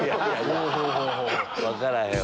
分からへんわ。